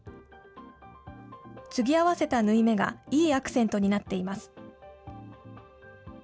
継ぎ合わせた縫い目が、いいアクセントになっています。